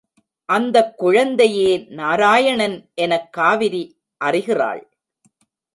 அந்தக் குழந்தையே நாராயணன் எனக் காவிரி அறிகிறாள்.